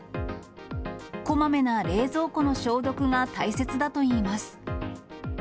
こまめな冷蔵庫の消毒が大切だといいます。